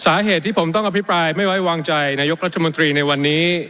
สาเหตุที่ผมต้องอภิปรายไม่ไว้วางใจนายกรัฐมนตรีในวันนี้